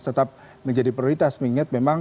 tetap menjadi prioritas mengingat memang